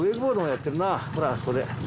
ほらあそこで。